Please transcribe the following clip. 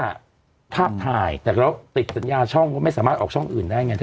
ภาพถ่ายแต่ก็ติดสัญญาช่องก็ไม่สามารถออกช่องอื่นได้ไงเธอ